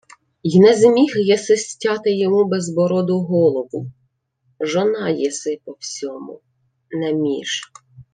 — Й не зміг єси стяти йому безбороду голову! Жона єси по всьому, не між.